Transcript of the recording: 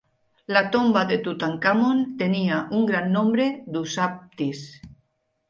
La tomba de Tutankamon tenia un gran nombre d'ushabtis.